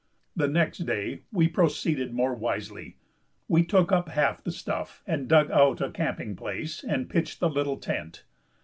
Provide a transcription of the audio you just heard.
The next day we proceeded more wisely. We took up half the stuff and dug out a camping place and pitched the little tent.